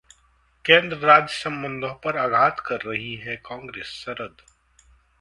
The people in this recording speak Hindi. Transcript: केंद्र-राज्य संबंधों पर आघात कर रही है कांग्रेस: शरद